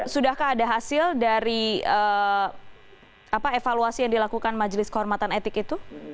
sudahkah ada hasil dari evaluasi yang dilakukan majelis kehormatan etik itu